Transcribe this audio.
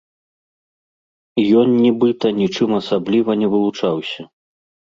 Ён нібыта нічым асабліва не вылучаўся.